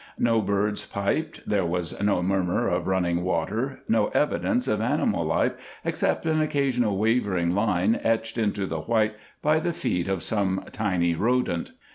No birds piped, there was no murmur of running water, no evidence of animal life except an occasional wavering line etched into the white by the feet of some tiny rodent.